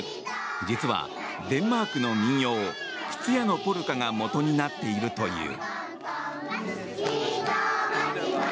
実はデンマークの民謡「靴屋のポルカ」が元になっているという。